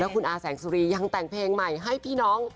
คุณอาแสงสุรียังแต่งเพลงใหม่ให้พี่น้อง